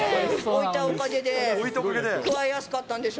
置いたおかげで。